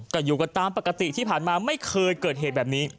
ก็อยู่กันตามปกติที่ผ่านมาไม่เคยเกิดเหตุแบบนี้